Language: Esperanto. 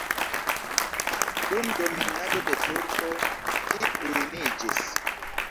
Dum dominado de turkoj ĝi ruiniĝis.